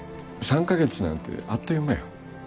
３か月なんてあっという間や。